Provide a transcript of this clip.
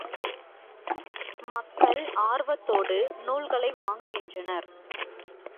மக்கள் ஆர்வத்தோடு நூல்களை வாங்குகின்றனர்.